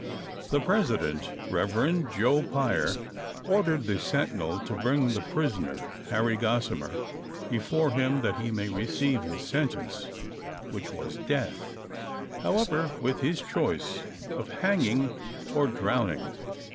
|HE President, Kev. Joe. Pier, ordered the sentinel to bring the prisoner — Harry Gossimer — before him, that he may receive his sentence, wliich was death ; however, with his choice of hanging or dro'wning.